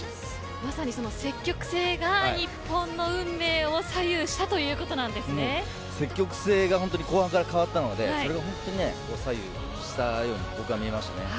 まさにその積極性が日本の運命を左右した積極性が本当に後半から変わったのでそれが左右したように僕は見えましたね。